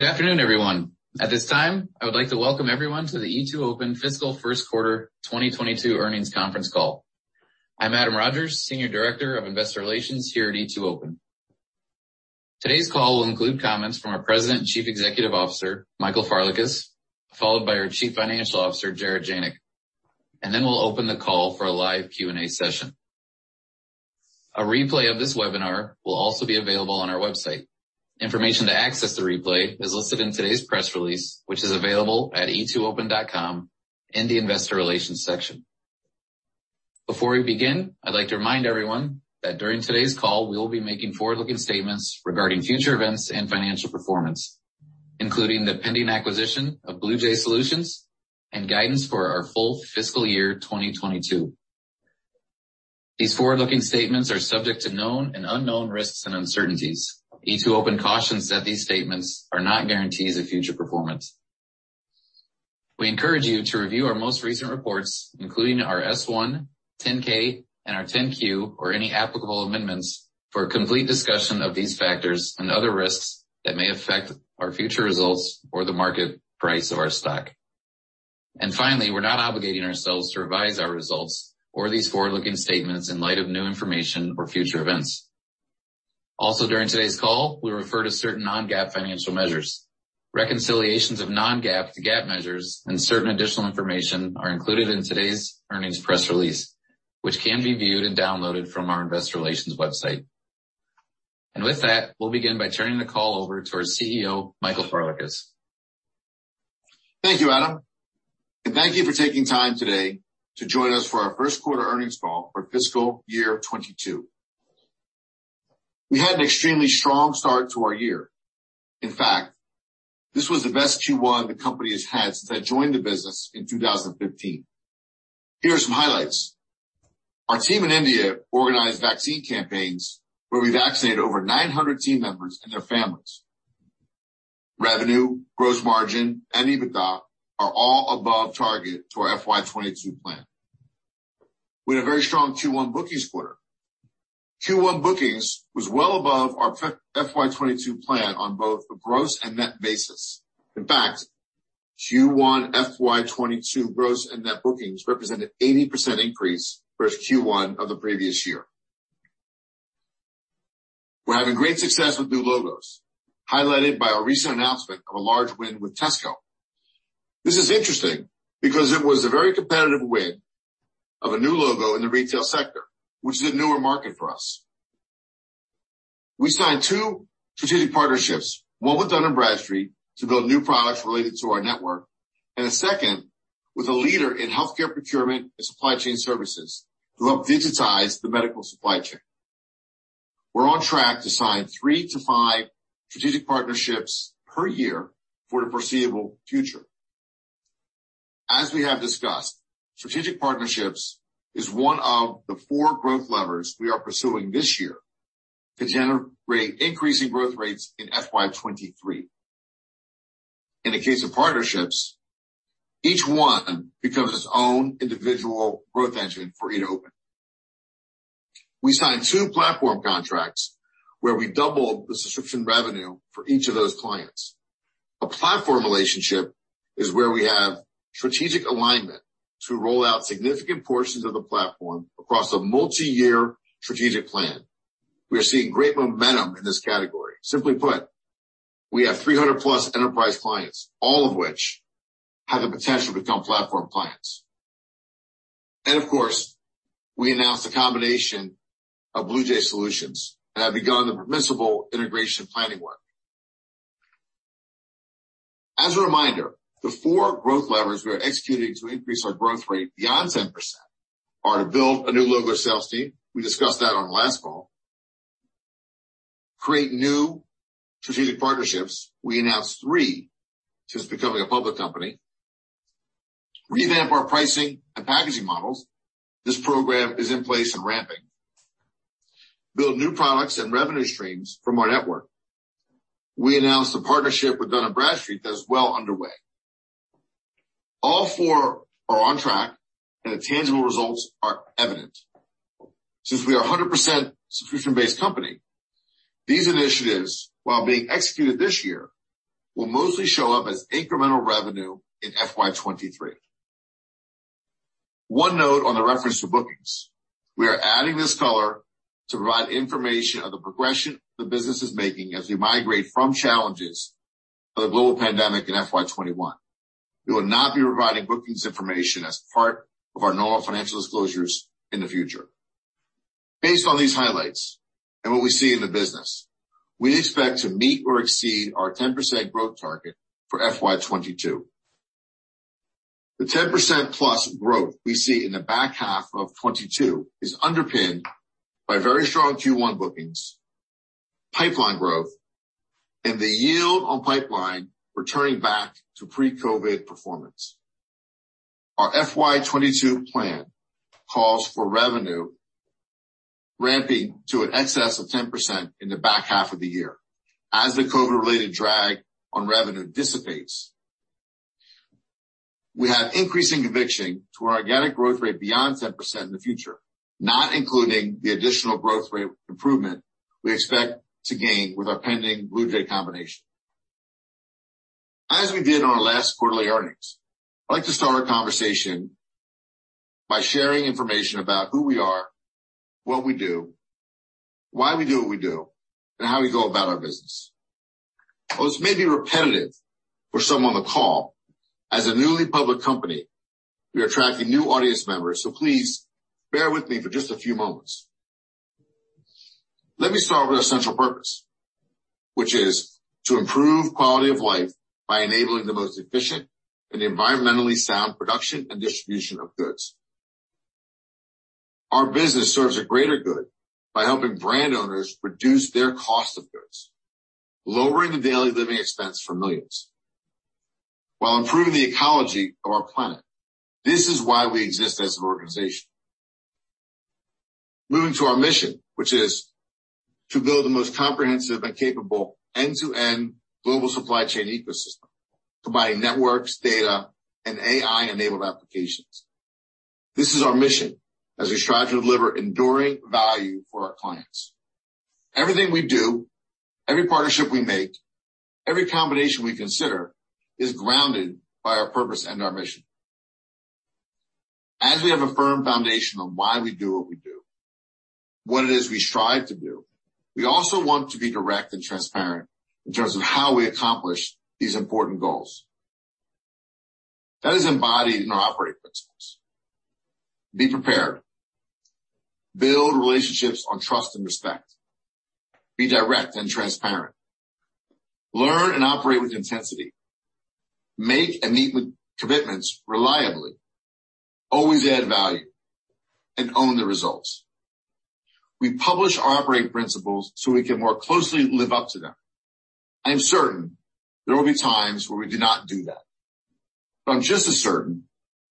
Good afternoon, everyone. At this time, I would like to welcome everyone to the E2open Fiscal First Quarter 2022 Earnings Conference Call. I'm Adam Rogers, Senior Director of Investor Relations here at E2open. Today's call will include comments from our President and Chief Executive Officer, Michael Farlekas, followed by our Chief Financial Officer, Jarett Janik, and then we'll open the call for a live Q&A session. A replay of this webinar will also be available on our website. Information to access the replay is listed in today's press release, which is available at e2open.com in the investor relations section. Before we begin, I'd like to remind everyone that during today's call, we'll be making forward-looking statements regarding future events and financial performance, including the pending acquisition of BluJay Solutions and guidance for our full fiscal year 2022. These forward-looking statements are subject to known and unknown risks and uncertainties. E2open cautions that these statements are not guarantees of future performance. We encourage you to review our most recent reports, including our S-1, 10-K, and our 10-Q, or any applicable amendments, for a complete discussion of these factors and other risks that may affect our future results or the market price of our stock. Finally, we're not obligating ourselves to revise our results or these forward-looking statements in light of new information or future events. Also, during today's call, we refer to certain non-GAAP financial measures. Reconciliations of non-GAAP to GAAP measures and certain additional information are included in today's earnings press release, which can be viewed and downloaded from our investor relations website. With that, we'll begin by turning the call over to our CEO, Michael Farlekas. Thank you, Adam. Thank you for taking time today to join us for our first quarter earnings call for fiscal year 2022. We had an extremely strong start to our year. In fact, this was the best Q1 the company has had since I joined the business in 2015. Here are some highlights. Our team in India organized vaccine campaigns where we vaccinated over 900 team members and their families. Revenue, gross margin, and EBITDA are all above target to our FY 2022 plan. We had a very strong Q1 bookings quarter. Q1 bookings was well above our FY 2022 plan on both a gross and net basis. In fact, Q1 FY 2022 gross and net bookings represented 80% increase versus Q1 of the previous year. We're having great success with new logos, highlighted by our recent announcement of a large win with Tesco. This is interesting because it was a very competitive win of a new logo in the retail sector, which is a newer market for us. We signed two strategic partnerships, one with Dun & Bradstreet to build new products related to our network, and a second with a leader in healthcare procurement and supply chain services who help digitize the medical supply chain. We're on track to sign three to five strategic partnerships per year for the foreseeable future. As we have discussed, strategic partnerships is one of the four growth levers we are pursuing this year to generate increasing growth rates in FY 2023. In the case of partnerships, each one becomes its own individual growth engine for E2open. We signed two platform contracts where we doubled the Subscription Revenue for each of those clients. A platform relationship is where we have strategic alignment to roll out significant portions of the platform across a multi-year strategic plan. We are seeing great momentum in this category. Simply put, we have 300-plus enterprise clients, all of which have the potential to become platform clients. Of course, we announced the combination of BluJay Solutions and have begun the permissible integration planning work. As a reminder, the four growth levers we are executing to increase our growth rate beyond 10% are to build a new logo sales team. We discussed that on last call. Create new strategic partnerships. We announced three since becoming a public company. Revamp our pricing and packaging models. This program is in place and ramping. Build new products and revenue streams from our network. We announced a partnership with Dun & Bradstreet that's well underway. All four are on track, and the tangible results are evident. Since we are a 100% subscription-based company, these initiatives, while being executed this year, will mostly show up as incremental revenue in FY23. One note on the reference to bookings. We are adding this color to provide information on the progression the business is making as we migrate from challenges of the global pandemic in FY21. We will not be providing bookings information as part of our normal financial disclosures in the future. Based on these highlights and what we see in the business, we expect to meet or exceed our 10% growth target for FY22. The 10%-plus growth we see in the back half of 2022 is underpinned by very strong Q1 bookings, pipeline growth, and the yield on pipeline returning back to pre-COVID performance. Our FY22 plan calls for revenue ramping to an excess of 10% in the back half of the year as the COVID-related drag on revenue dissipates. We have increasing conviction to our organic growth rate beyond 10% in the future, not including the additional growth rate improvement we expect to gain with our pending BluJay combination. As we did on our last quarterly earnings, I'd like to start our conversation by sharing information about who we are, what we do, why we do what we do, and how we go about our business. While this may be repetitive for some on the call, as a newly public company, we are attracting new audience members, so please bear with me for just a few moments. Let me start with our central purpose, which is to improve quality of life by enabling the most efficient and environmentally sound production and distribution of goods. Our business serves a greater good by helping brand owners reduce their cost of goods, lowering the daily living expense for millions while improving the ecology of our planet. This is why we exist as an organization. Moving to our mission, which is to build the most comprehensive and capable end-to-end global supply chain ecosystem, combining networks, data, and AI-enabled applications. This is our mission as we strive to deliver enduring value for our clients. Everything we do, every partnership we make, every combination we consider, is grounded by our purpose and our mission. As we have a firm foundation on why we do what we do, what it is we strive to do, we also want to be direct and transparent in terms of how we accomplish these important goals. That is embodied in our operating principles. Be prepared, build relationships on trust and respect, be direct and transparent, learn and operate with intensity, make and meet with commitments reliably, always add value, and own the results. We publish our operating principles so we can more closely live up to them. I am certain there will be times where we do not do that. I'm just as certain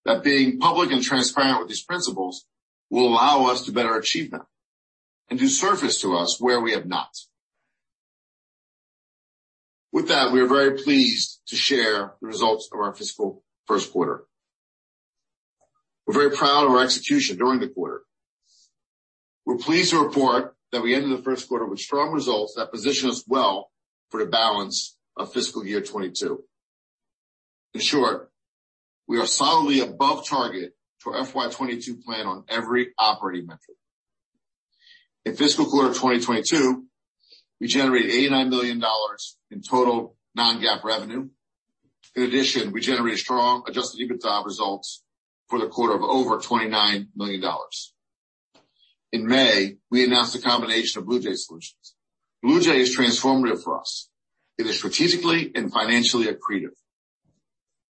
that being public and transparent with these principles will allow us to better achieve them and do surface to us where we have not. With that, we are very pleased to share the results of our fiscal first quarter. We're very proud of our execution during the quarter. We're pleased to report that we ended the first quarter with strong results that position us well for the balance of fiscal year 2022. In short, we are solidly above target for FY 2022 plan on every operating metric. In fiscal quarter 2022, we generated $89 million in total non-GAAP revenue. In addition, we generated strong Adjusted EBITDA results for the quarter of over $29 million. In May, we announced the combination of BluJay Solutions. BluJay is transformative for us. It is strategically and financially accretive.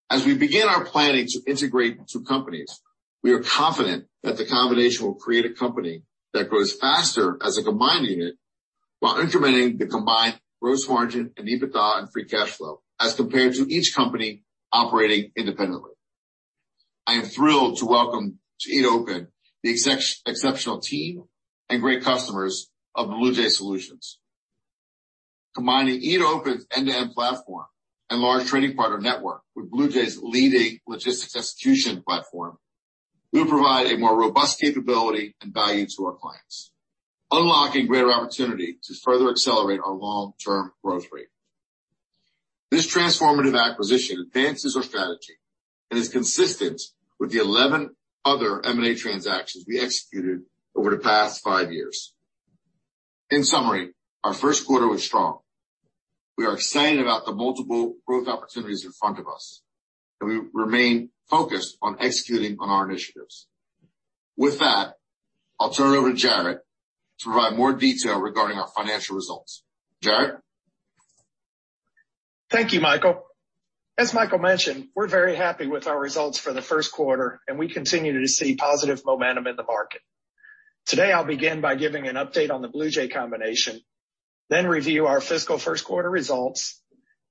As we begin our planning to integrate the two companies, we are confident that the combination will create a company that grows faster as a combined unit while incrementing the combined gross margin and EBITDA and free cash flow as compared to each company operating independently. I am thrilled to welcome to E2open the exceptional team and great customers of BluJay Solutions. Combining E2open's end-to-end platform and large trading partner network with BluJay's leading logistics execution platform, we provide a more robust capability and value to our clients, unlocking greater opportunity to further accelerate our long-term growth rate. This transformative acquisition advances our strategy and is consistent with the 11 other M&A transactions we executed over the past five years. In summary, our first quarter was strong. We are excited about the multiple growth opportunities in front of us, and we remain focused on executing on our initiatives. With that, I'll turn it over to Jarett to provide more detail regarding our financial results. Jarett? Thank you, Michael. As Michael mentioned, we're very happy with our results for the first quarter, and we continue to see positive momentum in the market. Today, I'll begin by giving an update on the BluJay combination, then review our fiscal first quarter results,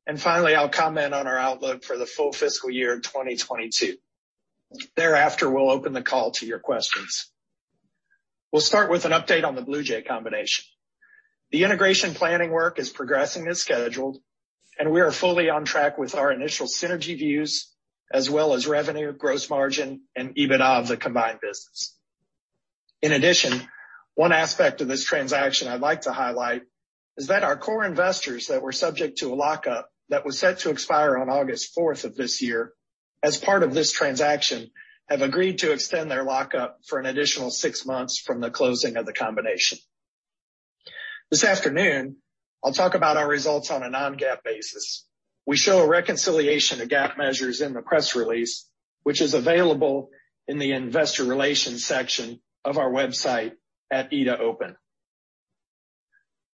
and finally, I'll comment on our outlook for the full fiscal year 2022. Thereafter, we'll open the call to your questions. We'll start with an update on the BluJay combination. The integration planning work is progressing as scheduled, and we are fully on track with our initial synergy views, as well as revenue, gross margin, and EBITDA of the combined business. In addition, one aspect of this transaction I'd like to highlight is that our core investors that were subject to a lock-up that was set to expire on August 4th of this year, as part of this transaction, have agreed to extend their lock-up for an additional six months from the closing of the combination. This afternoon, I'll talk about our results on a non-GAAP basis. We show a reconciliation of GAAP measures in the press release, which is available in the investor relations section of our website at E2open.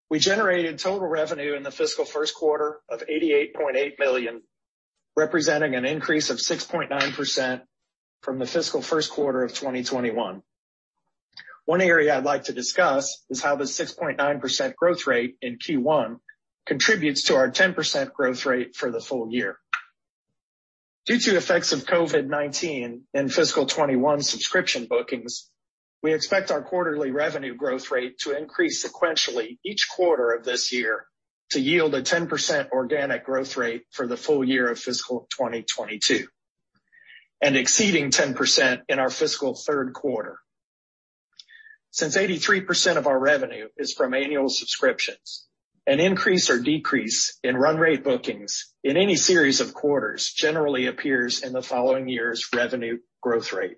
We generated total revenue in the fiscal first quarter of $88.8 million, representing an increase of 6.9% from the fiscal first quarter of 2021. One area I'd like to discuss is how the 6.9% growth rate in Q1 contributes to our 10% growth rate for the full year. Due to the effects of COVID-19 in fiscal 2021 subscription bookings. We expect our quarterly revenue growth rate to increase sequentially each quarter of this year to yield a 10% organic growth rate for the full year of fiscal 2022, and exceeding 10% in our fiscal third quarter. Since 83% of our revenue is from annual subscriptions, an increase or decrease in run rate bookings in any series of quarters generally appears in the following year's revenue growth rate.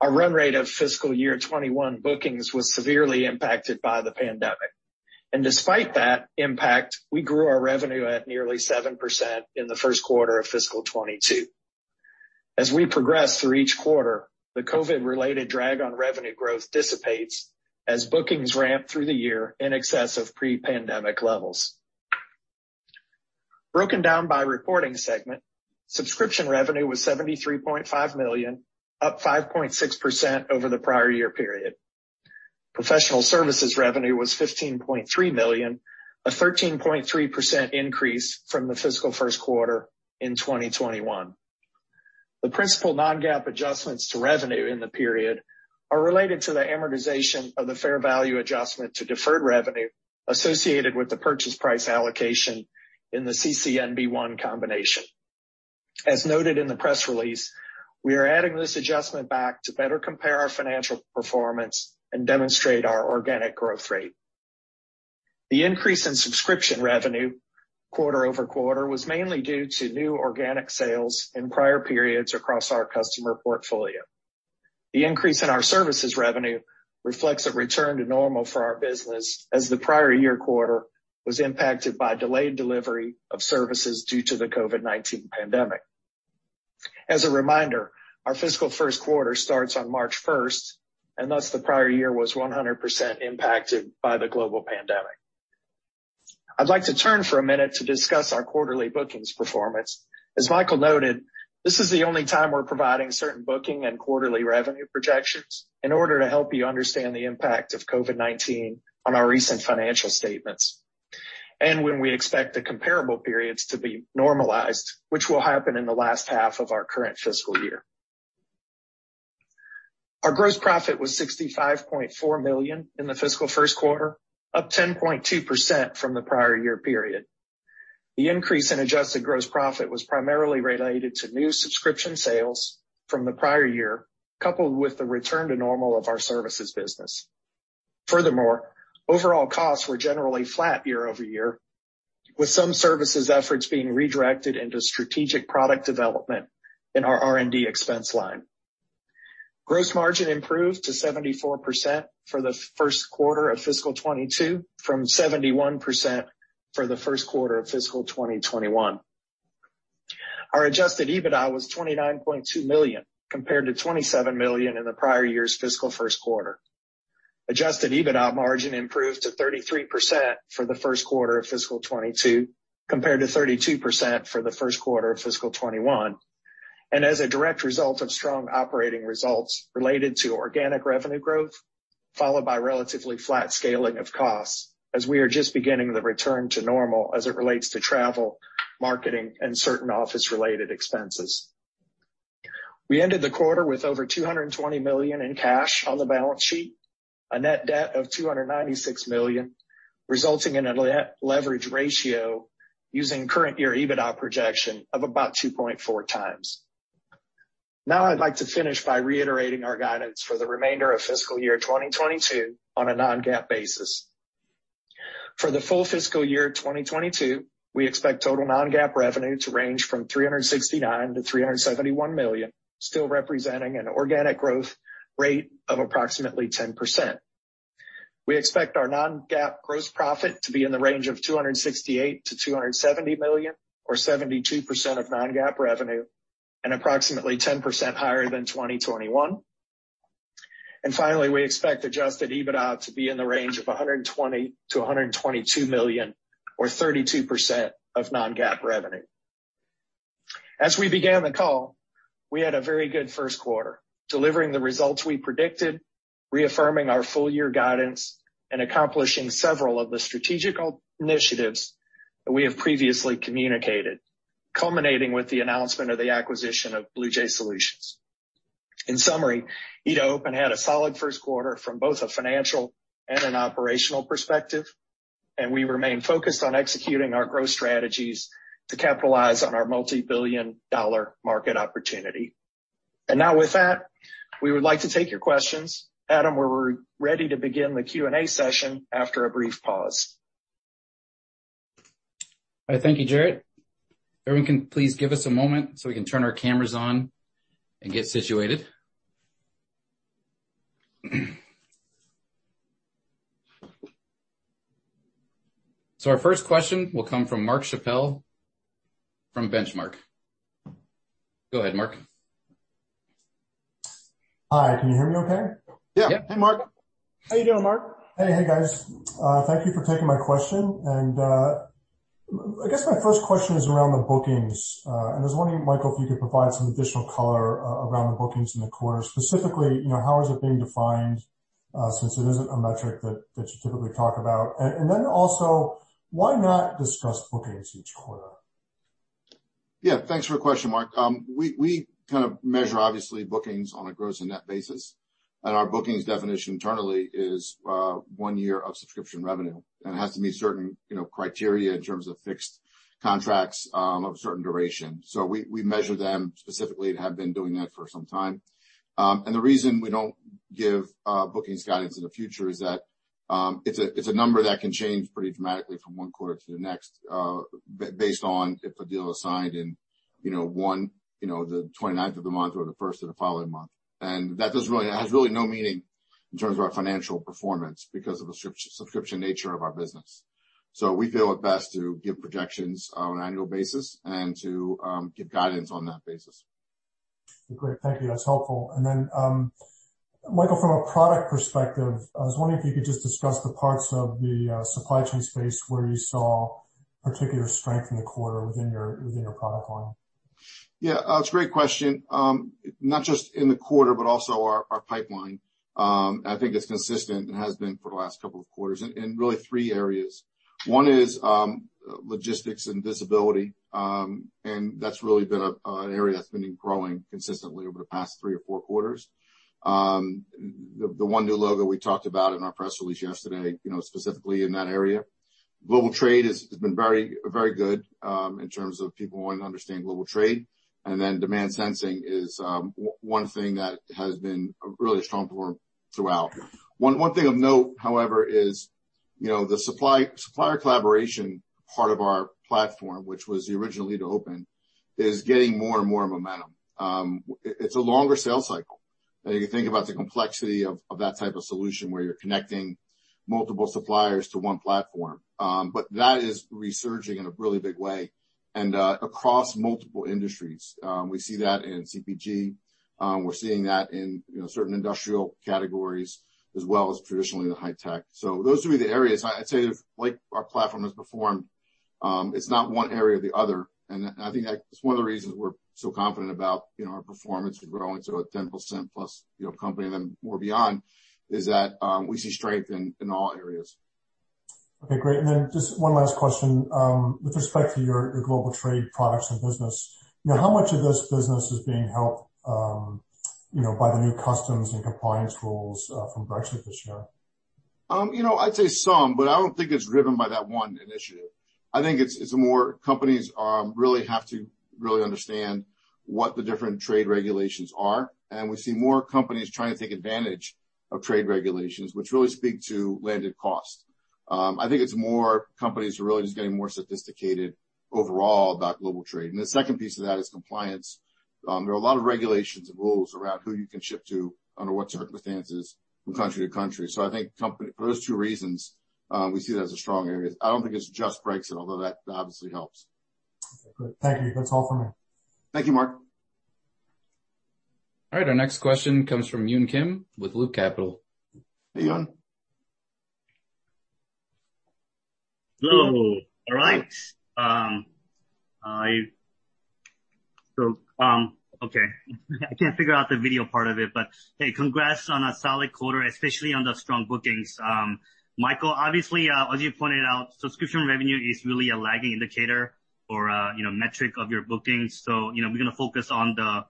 Our run rate of fiscal year 2021 bookings was severely impacted by the pandemic. Despite that impact, we grew our revenue at nearly 7% in the first quarter of fiscal 2022. As we progress through each quarter, the COVID-related drag on revenue growth dissipates as bookings ramp through the year in excess of pre-pandemic levels. Broken down by reporting segment, subscription revenue was $73.5 million, up 5.6% over the prior-year period. Professional services revenue was $15.3 million, a 13.3% increase from the fiscal first quarter in 2021. The principal non-GAAP adjustments to revenue in the period are related to the amortization of the fair value adjustment to deferred revenue associated with the purchase price allocation in the CCN B1 combination. As noted in the press release, we are adding this adjustment back to better compare our financial performance and demonstrate our organic growth rate. The increase in subscription revenue quarter-over-quarter was mainly due to new organic sales in prior periods across our customer portfolio. The increase in our services revenue reflects a return to normal for our business as the prior-year quarter was impacted by delayed delivery of services due to the COVID-19 pandemic. As a reminder, our fiscal first quarter starts on March 1st. Thus the prior year was 100% impacted by the global pandemic. I'd like to turn for a minute to discuss our quarterly bookings performance. As Michael noted, this is the only time we're providing certain booking and quarterly revenue projections in order to help you understand the impact of COVID-19 on our recent financial statements, and when we expect the comparable periods to be normalized, which will happen in the last half of our current fiscal year. Our gross profit was $65.4 million in the fiscal first quarter, up 10.2% from the prior year period. The increase in Adjusted Gross Profit was primarily related to new subscription sales from the prior year, coupled with the return to normal of our services business. Furthermore, overall costs were generally flat year-over-year, with some services efforts being redirected into strategic product development in our R&D expense line. Gross margin improved to 74% for the first quarter of fiscal 2022, from 71% for the first quarter of fiscal 2021. Our Adjusted EBITDA was $29.2 million, compared to $27 million in the prior year's fiscal first quarter. Adjusted EBITDA margin improved to 33% for the first quarter of fiscal 2022, compared to 32% for the first quarter of fiscal 2021, and as a direct result of strong operating results related to organic revenue growth, followed by relatively flat scaling of costs as we are just beginning the return to normal as it relates to travel, marketing, and certain office-related expenses. We ended the quarter with over $220 million in cash on the balance sheet, a net debt of $296 million, resulting in a leverage ratio using current year EBITDA projection of about 2.4 x. I'd like to finish by reiterating our guidance for the remainder of fiscal year 2022 on a non-GAAP basis. For the full fiscal year 2022, we expect total non-GAAP revenue to range from $369 million-$371 million, still representing an organic growth rate of approximately 10%. We expect our non-GAAP Gross Profit to be in the range of $268 million-$270 million, or 72% of non-GAAP revenue, approximately 10% higher than 2021. Finally, we expect Adjusted EBITDA to be in the range of $120 million-$122 million, or 32% of non-GAAP revenue. As we began the call, we had a very good first quarter, delivering the results we predicted, reaffirming our full year guidance, and accomplishing several of the strategic initiatives that we have previously communicated, culminating with the announcement of the acquisition of BluJay Solutions. In summary, E2open had a solid first quarter from both a financial and an operational perspective, and we remain focused on executing our growth strategies to capitalize on our multibillion-dollar market opportunity. Now with that, we would like to take your questions. Adam, we're ready to begin the Q&A session after a brief pause. Thank you, Jarett. Everyone can please give us a moment so we can turn our cameras on and get situated. Our first question will come from Mark Schappel from Benchmark. Go ahead, Mark. Hi, can you hear me okay? Yeah. Hey, Mark. How you doing, Mark? Hey. Hey, guys. Thank you for taking my question. I guess my first question is around the bookings. I was wondering, Michael, if you could provide some additional color around the bookings in the quarter, specifically, how is it being defined, since it isn't a metric that you typically talk about. Why not discuss bookings each quarter? Yeah. Thanks for the question, Mark. We measure, obviously, bookings on a gross and net basis. Our bookings definition internally is one year of Subscription Revenue. It has to meet certain criteria in terms of fixed contracts of a certain duration. We measure them specifically and have been doing that for some time. The reason we don't give bookings guidance in the future is that it's a number that can change pretty dramatically from one quarter to the next, based on if a deal is signed in the 29th of the month or the first of the following month. That has really no meaning in terms of our financial performance because of the subscription nature of our business. We feel it best to give projections on an annual basis and to give guidance on that basis. Great. Thank you. That's helpful. Michael, from a product perspective, I was wondering if you could just discuss the parts of the supply chain space where you saw particular strength in the quarter within your product line. Yeah. That's a great question. Not just in the quarter, but also our pipeline. I think it's consistent and has been for the last couple of quarters in really three areas. one is logistics and visibility, and that's really been an area that's been growing consistently over the past three or four quarters. The one new logo we talked about in our press release yesterday, specifically in that area. Global trade has been very good in terms of people wanting to understand global trade. Demand sensing is one thing that has been really strong for them throughout. one thing of note, however, is the supplier collaboration part of our platform, which was the original E2open, is gaining more and more momentum. It's a longer sales cycle. You think about the complexity of that type of solution where you're connecting multiple suppliers to one platform. That is resurging in a really big way, and across multiple industries. We see that in CPG. We're seeing that in certain industrial categories as well as traditionally in high tech. Those would be the areas I'd say our platform has performed. It's not one area or the other, and I think that's one of the reasons we're so confident about our performance with growing to a 10% plus company and more beyond, is that we see strength in all areas. Okay, great. Just one last question. With respect to your global trade products and business, how much of this business is being helped by the new customs and compliance rules from Brexit this year? I'd say some. I don't think it's driven by that one initiative. I think it's more companies really have to really understand what the different trade regulations are, and we see more companies trying to take advantage of trade regulations, which really speak to landed costs. I think it's more companies are really just getting more sophisticated overall about global trade. The second piece of that is compliance. There are a lot of regulations and rules around who you can ship to under what circumstances from country to country. I think for those two reasons, we see that as a strong area. I don't think it's just Brexit, although that obviously helps. Great. Thank you. That's all for me. Thank you, Mark. All right, our next question comes from Youn Kim with Blue Capital. Hey, Youn. Hello. All right. I can't figure out the video part of it, but hey, congrats on a solid quarter, especially on the strong bookings. Michael, obviously, as you pointed out, Subscription Revenue is really a lagging indicator or metric of your bookings. We're going to focus on the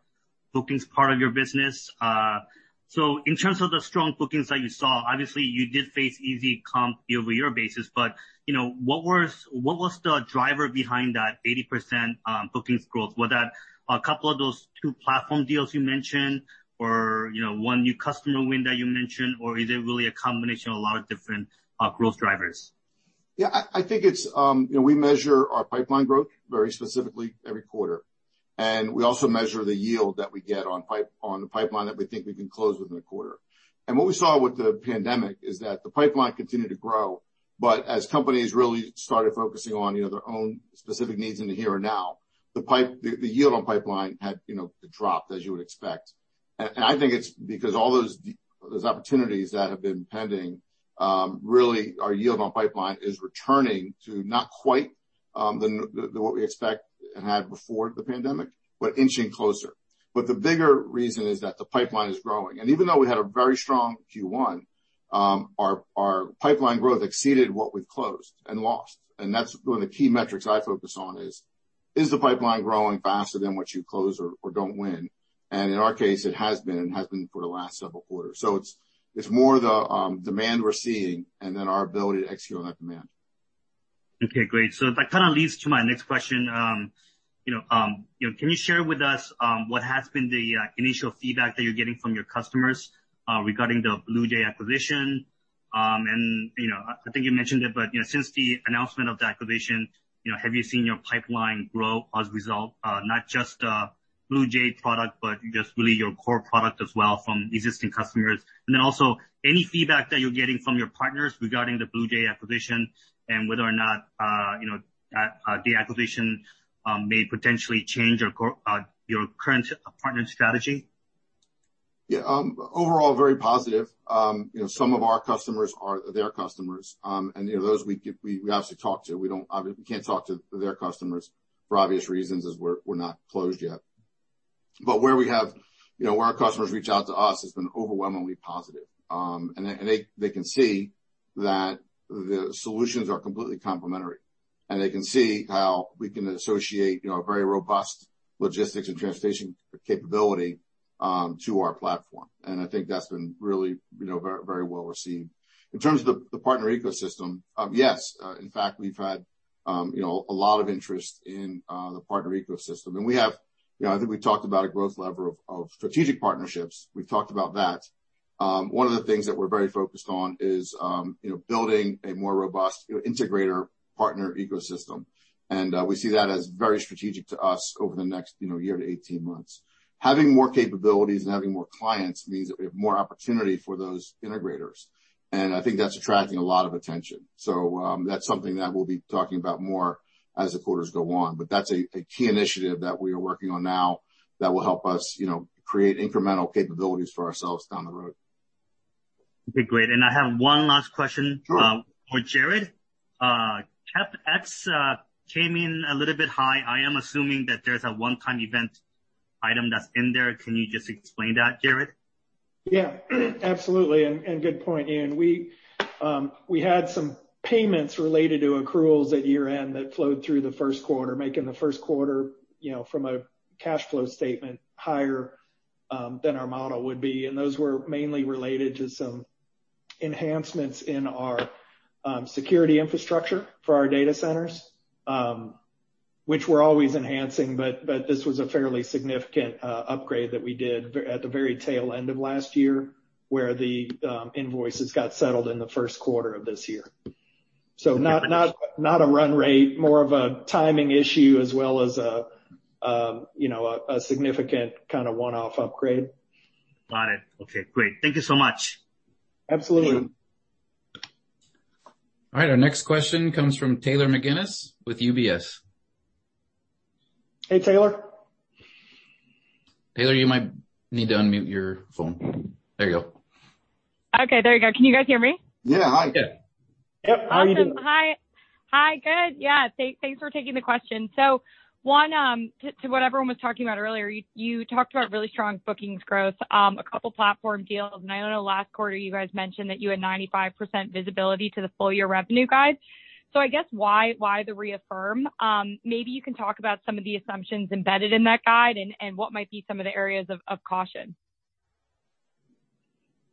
bookings part of your business. In terms of the strong bookings that you saw, obviously, you did face easy comp year-over-year basis, but what was the driver behind that 80% bookings growth? Was that a couple of those two platform deals you mentioned, or one new customer win that you mentioned, or is it really a combination of a lot of different growth drivers? Yeah, I think we measure our pipeline growth very specifically every quarter, and we also measure the yield that we get on the pipeline that we think we can close within a quarter. What we saw with the pandemic is that the pipeline continued to grow, but as companies really started focusing on their own specific needs in the here and now, the yield on pipeline had dropped as you would expect. I think it's because all those opportunities that have been pending, really, our yield on pipeline is returning to not quite what we expect it had before the pandemic, but inching closer. The bigger reason is that the pipeline is growing. Even though we had a very strong Q1, our pipeline growth exceeded what we closed and lost, and that's one of the key metrics I focus on is the pipeline growing faster than what you close or don't win? In our case, it has been, and has been for the last several quarters. It's more the demand we're seeing and then our ability to execute on that demand. Okay, great. That kind of leads to my next question. Can you share with us what has been the initial feedback that you're getting from your customers regarding the BluJay acquisition? I think you mentioned it, but since the announcement of the acquisition, have you seen your pipeline grow as a result? Not just BluJay product, but just really your core product as well from existing customers. Then also any feedback that you're getting from your partners regarding the BluJay acquisition and whether or not the acquisition may potentially change your current partner strategy? Yeah. Overall, very positive. Some of our customers are their customers, and those we actually talk to. We can't talk to their customers for obvious reasons, as we're not closed yet. Where our customers reach out to us, it's been overwhelmingly positive. They can see that the solutions are completely complementary, and they can see how we can associate very robust logistics and transportation capability to our platform. I think that's been really very well-received. In terms of the partner ecosystem, yes. In fact, we've had a lot of interest in the partner ecosystem. I think we talked about a growth lever of strategic partnerships. We've talked about that. One of the things that we're very focused on is building a more robust integrator partner ecosystem. We see that as very strategic to us over the next year to 18 months. Having more capabilities and having more clients means that we have more opportunity for those integrators, and I think that's attracting a lot of attention. That's something that we'll be talking about more as the quarters go on, but that's a key initiative that we are working on now that will help us create incremental capabilities for ourselves down the road. Okay, great. I have one last question. Sure for Jarett. CapEx came in a little bit high. I am assuming that there's a one-time event item that's in there. Can you just explain that, Jarett? Yeah, absolutely. Good point, Youn. We had some payments related to accruals at year-end that flowed through the 1st quarter, making the 1st quarter from a cash flow statement higher than our model would be, and those were mainly related to some enhancements in our security infrastructure for our data centers, which we're always enhancing, but this was a fairly significant upgrade that we did at the very tail end of last year, where the invoices got settled in the 1st quarter of this year. Not a run rate, more of a timing issue as well as a significant kind of one off upgrade. Got it. Okay, great. Thank you so much. Absolutely. Thank you. All right, our next question comes from Taylor McGinnis with UBS.. Hey, Taylor. Taylor, you might need to unmute your phone. There you go. Okay, there we go. Can you guys hear me? Yeah. Yeah. Hi. Good, yeah. Thanks for taking the question. One, to what everyone was talking about earlier, you talked about really strong bookings growth, two platform deals, and I know last quarter you guys mentioned that you had 95% visibility to the full-year revenue guide. I guess why the reaffirm? Maybe you can talk about some of the assumptions embedded in that guide and what might be some of the areas of caution.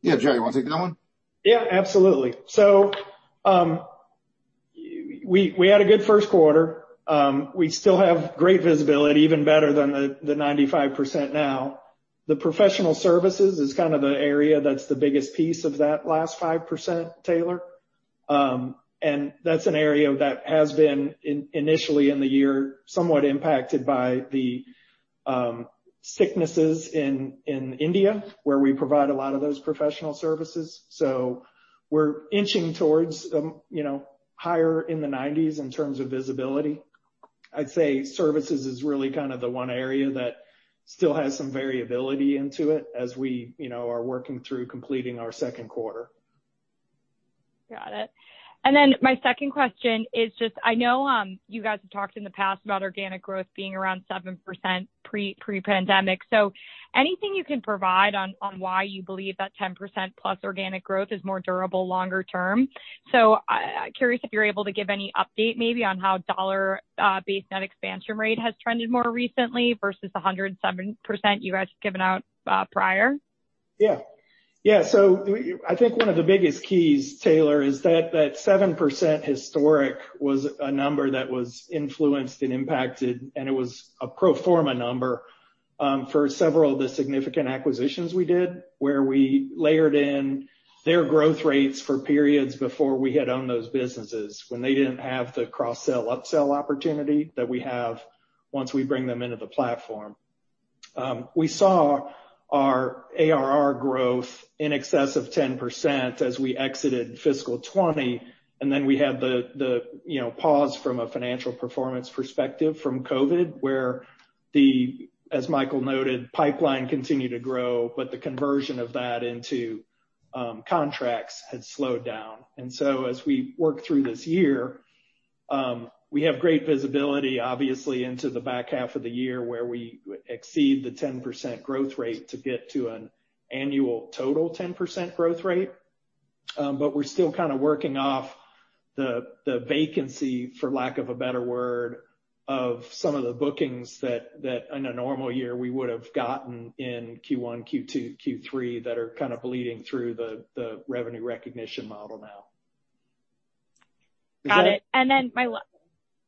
Yeah, Jarett, you want to take that one? Yeah, absolutely. We had a good first quarter. We still have great visibility, even better than the 95% now. The Professional Services is kind of the area that's the biggest piece of that last 5%, Taylor. That's an area that has been initially in the year, somewhat impacted by the sicknesses in India, where we provide a lot of those Professional Services. We're inching towards higher in the 90s in terms of visibility. I'd say services is really kind of the one area that still has some variability into it as we are working through completing our second quarter. Got it. My second question is just I know you guys have talked in the past about organic growth being around 7% pre-pandemic, so anything you can provide on why you believe that 10% plus organic growth is more durable longer term? Curious if you're able to give any update maybe on how dollar-based net expansion rate has trended more recently versus the 107% you guys have given out prior. I think one of the biggest keys, Taylor, is that 7% historic was a number that was influenced and impacted, and it was a pro forma number for several of the significant acquisitions we did, where we layered in their growth rates for periods before we had owned those businesses when they didn't have the cross-sell, up-sell opportunity that we have once we bring them into the platform. We saw our ARR growth in excess of 10% as we exited FY 2020, and then we had the pause from a financial performance perspective from COVID-19, where the, as Michael noted, pipeline continued to grow, but the conversion of that into contracts had slowed down. As we work through this year, we have great visibility, obviously, into the back half of the year, where we exceed the 10% growth rate to get to an annual total 10% growth rate. We're still kind of working off the vacancy, for lack of a better word, of some of the bookings that in a normal year we would have gotten in Q1, Q2, Q3 that are kind of bleeding through the revenue recognition model now. Got it.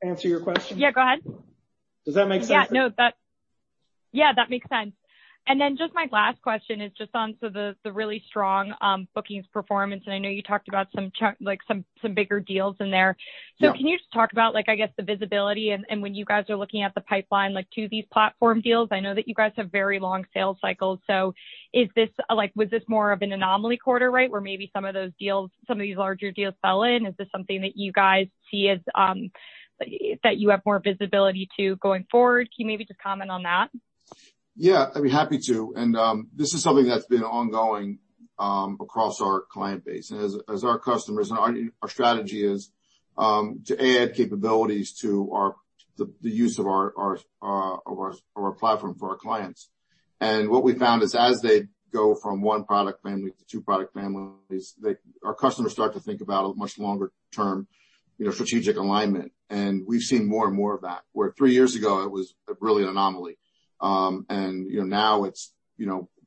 Answer your question? Yeah, go ahead. Does that make sense? Yeah, that makes sense. Just my last question is just on to the really strong bookings performance, and I know you talked about some bigger deals in there. Yeah. Can you just talk about, I guess, the visibility and when you guys are looking at the pipeline to these platform deals? I know that you guys have very long sales cycles, so was this more of an anomaly quarter where maybe some of these larger deals fell in? Is this something that you guys see as that you have more visibility to going forward? Can you maybe just comment on that? Yeah, I'd be happy to. This is something that's been ongoing across our client base. Our strategy is to add capabilities to the use of our platform for our clients. What we found is as they go from one product family to two product families, our customers start to think about a much longer-term strategic alignment. We've seen more and more of that, where three years ago it was really an anomaly. Now it's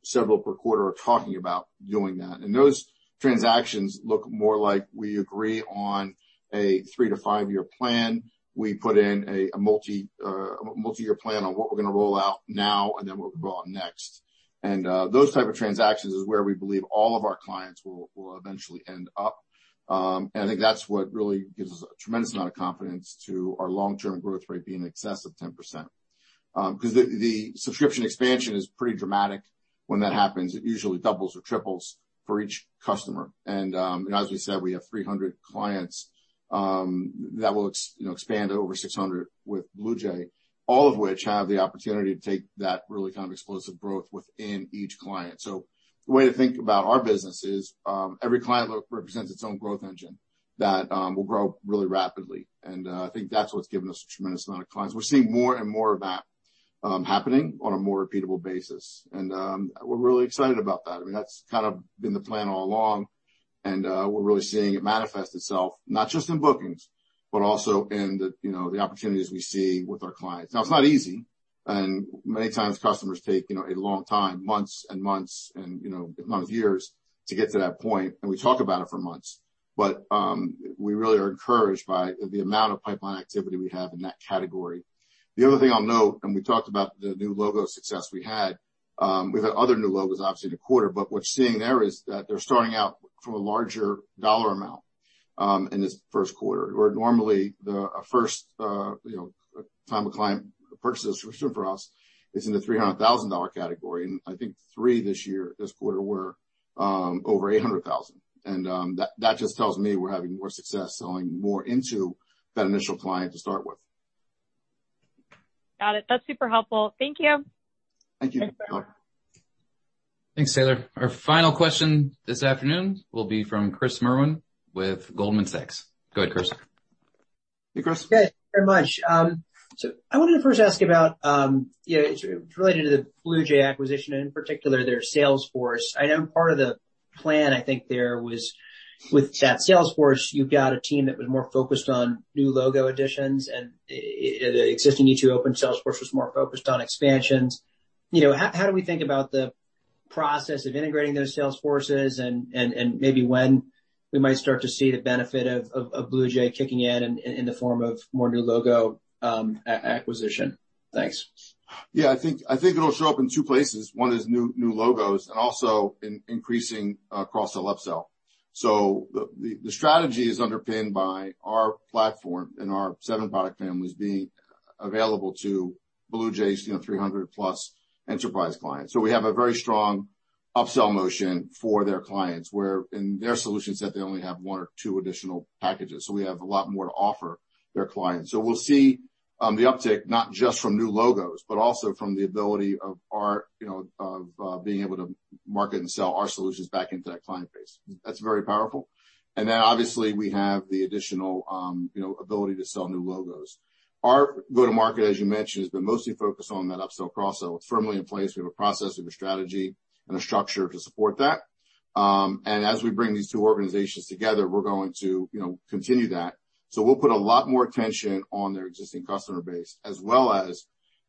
several per quarter are talking about doing that. Those transactions look more like we agree on a 3-5-year plan. We put in a multi-year plan on what we're going to roll out now and then what we'll roll out next. Those type of transactions is where we believe all of our clients will eventually end up. I think that's what really gives us a tremendous amount of confidence to our long-term growth rate being in excess of 10%. The subscription expansion is pretty dramatic when that happens. It usually doubles or triples for each customer. As we said, we have 300 clients that will expand over 600 with BluJay, all of which have the opportunity to take that really explosive growth within each client. The way to think about our business is every client represents its own growth engine that will grow really rapidly. I think that's what's given us a tremendous amount of clients. We're seeing more and more of that happening on a more repeatable basis. We're really excited about that. That's been the plan all along, and we're really seeing it manifest itself, not just in bookings, but also in the opportunities we see with our clients. Now, it's not easy, and many times customers take a long time, months and months and if not years, to get to that point. We talk about it for months, but we really are encouraged by the amount of pipeline activity we have in that category. The other thing I'll note, we talked about the new logo success we had. We've had other new logos, obviously, in the quarter, but what you're seeing there is that they're starting out from a larger dollar amount in this first quarter. Where normally the first time a client purchases from us is in the $300,000 category. I think three this year, this quarter, were over $800,000. That just tells me we're having more success selling more into that initial client to start with. Got it. That's super helpful. Thank you. Thank you. Thanks, Taylor. Thanks, Taylor. Our final question this afternoon will be from Chris Merwin with Goldman Sachs. Go ahead, Chris. Hey, Chris. Good. Thanks very much. I wanted to first ask you about, related to the BluJay acquisition, in particular their sales force. I know part of the plan, I think there was with that sales force, you've got a team that was more focused on new logo additions, and the existing E2open sales force was more focused on expansions. How do we think about the process of integrating those sales forces and maybe when we might start to see the benefit of BluJay kicking in the form of more new logo acquisition? Thanks. Yeah, I think it'll show up in two places. One is new logos and also in increasing cross-sell, upsell. The strategy is underpinned by our platform and our seven product families being available to BluJay's 300-plus enterprise clients. We have a very strong upsell motion for their clients, where in their solution set they only have one or two additional packages. We have a lot more to offer their clients. We'll see the uptick not just from new logos, but also from the ability of being able to market and sell our solutions back into that client base. That's very powerful. Obviously we have the additional ability to sell new logos. Our go-to-market, as you mentioned, has been mostly focused on that upsell, cross-sell. It's firmly in place. We have a process, we have a strategy, and a structure to support that. As we bring these two organizations together, we're going to continue that. We'll put a lot more attention on their existing customer base, as well as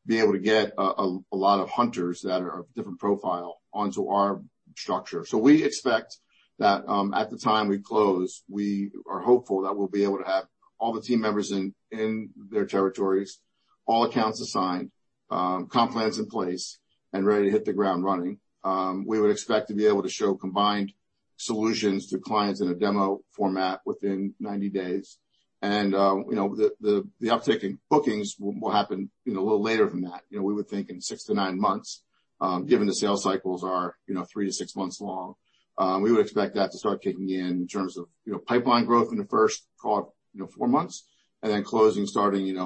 be able to get a lot of hunters that are of different profile onto our structure. We expect that at the time we close, we are hopeful that we'll be able to have all the team members in their territories, all accounts assigned, comp plans in place, and ready to hit the ground running. We would expect to be able to show combined solutions to clients in a demo format within 90 days. The uptick in bookings will happen a little later than that. We would think in 6-9 months, given the sales cycles are 3-6 months long. We would expect that to start kicking in in terms of pipeline growth in the first, call it four months, and then closing starting in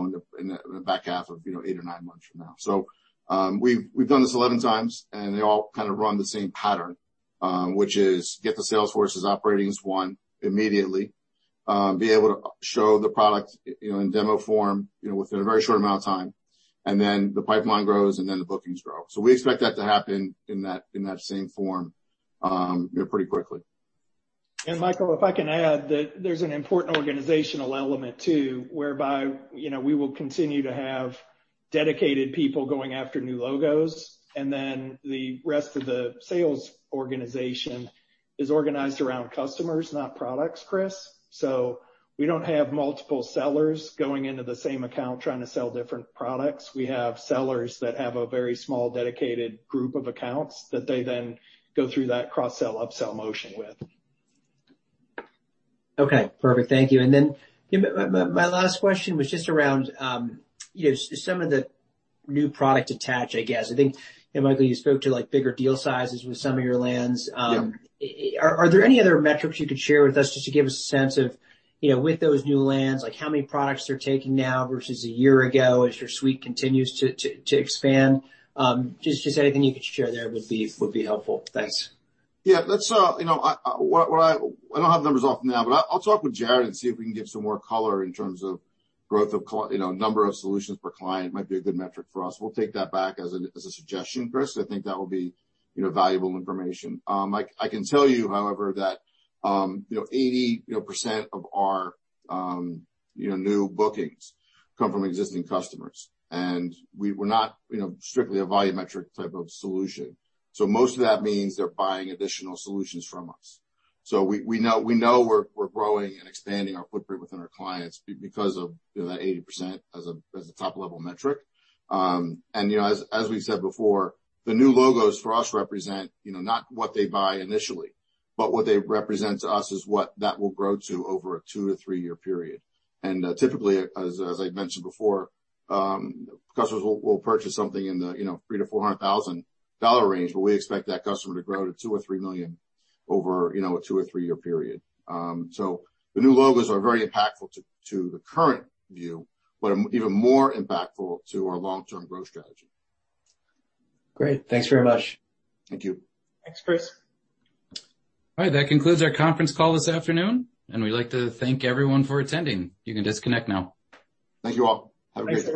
the back half of eight or nine months from now. We've done this 11 times, and they all run the same pattern, which is get the sales forces operating as one immediately, be able to show the product in demo form within a very short amount of time, and then the pipeline grows, and then the bookings grow. We expect that to happen in that same form pretty quickly. Michael, if I can add that there's an important organizational element too, whereby we will continue to have dedicated people going after new logos, and then the rest of the sales organization is organized around customers, not products, Chris. We don't have multiple sellers going into the same account trying to sell different products. We have sellers that have a very small dedicated group of accounts that they then go through that cross-sell, upsell motion with. Okay, perfect. Thank you. My last question was just around some of the new product attach, I guess. I think, Michael, you spoke to bigger deal sizes with some of your lands. Yep. Are there any other metrics you could share with us just to give us a sense of, with those new lands, how many products they're taking now versus a year ago as your suite continues to expand? Just if you have anything you could share there with these would be helpful. Thanks. I don't have numbers off me now, but I'll talk with Jared and see if we can get some more color in terms of growth of number of solutions per client might be a good metric for us. We'll take that back as a suggestion, Chris. I think that will be valuable information. I can tell you, however, that 80% of our new bookings come from existing customers. We're not strictly a volumetric type of solution. Most of that means they're buying additional solutions from us. We know we're growing and expanding our footprint within our clients because of the 80% as a top-level metric. As we said before, the new logos for us represent not what they buy initially, but what they represent to us is what that will grow to over a two to three-year period. Typically, as I mentioned before, customers will purchase something in the $300,000 to $400,000 range, but we expect that customer to grow to $2 million or $3 million over a two or three-year period. The new logos are very impactful to the current view, but even more impactful to our long-term growth strategy. Great. Thanks very much. Thank you. Thanks, Chris. All right. That concludes our conference call this afternoon, and we'd like to thank everyone for attending. You can disconnect now. Thank you all. Have a great day.